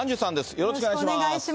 よろしくお願いします。